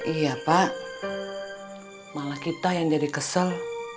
iya pak malah kita yang jadi kesel